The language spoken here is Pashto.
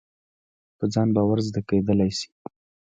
په ځان باور زده کېدلای شي.